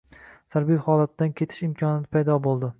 salbiy holatdan ketish imkoniyati paydo bo‘ldi.